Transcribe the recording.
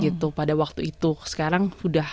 di indonesia kan vaccination itu cukup sering di indonesia kan